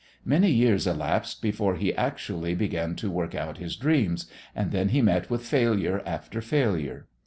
Many years elapsed before he actually began to work out his dreams, and then he met with failure after failure.